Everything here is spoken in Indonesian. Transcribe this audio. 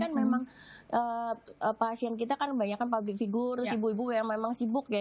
karena biasanya kan memang pasien kita kan banyak kan figur ibu ibu yang memang sibuk ya